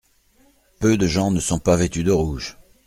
Peu de gens ne sont pas vêtus de rouge.